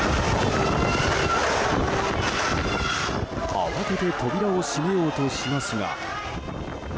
慌てて扉を閉めようとしますが。